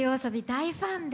大ファンで。